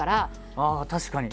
ああ確かに。